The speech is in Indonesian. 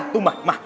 tuh mah mah